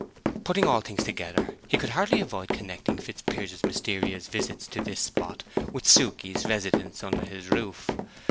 Putting all things together, he could hardly avoid connecting Fitzpiers's mysterious visits to this spot with Suke's residence under his roof.